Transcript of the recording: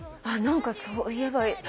あっ何かそういえば。